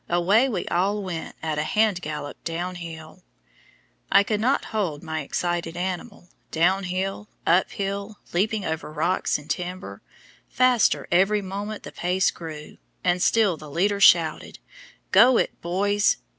away we all went at a hard gallop down hill. I could not hold my excited animal; down hill, up hill, leaping over rocks and timber, faster every moment the pace grew, and still the leader shouted, "Go it, boys!"